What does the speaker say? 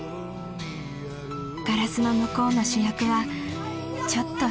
［ガラスの向こうの主役はちょっと不機嫌だけど］